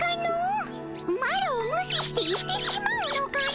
マロをむしして行ってしまうのかの。